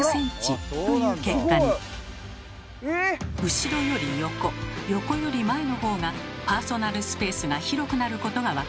後ろより横横より前のほうがパーソナルスペースが広くなることが分かりました。